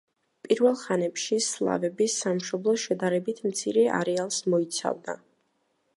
პირველ ხანებში სლავების სამშობლო შედარებით მცირე არეალს მოიცავდა.